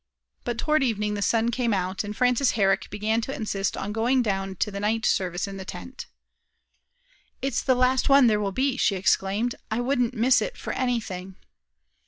But toward evening the sun came out, and Frances Herrick began to insist on going down to the night service in the tent. "It is the last one there will be!" she exclaimed. "I wouldn't miss it for anything."